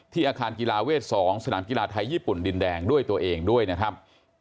อาคารกีฬาเวท๒สนามกีฬาไทยญี่ปุ่นดินแดงด้วยตัวเองด้วยนะครับ